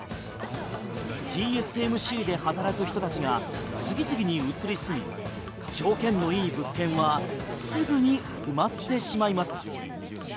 ＴＳＭＣで働く人たちが次々に移り住み条件の良い物件はすぐに埋まってしまいます。